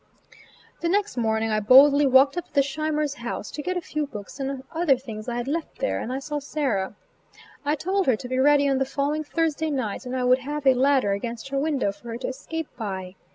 The next morning I boldly walked up to Scheimer's house to get a few books and other things I had left there, and I saw Sarah. I told her to be ready on the following Thursday night and I would have a ladder against her window for her to escape by.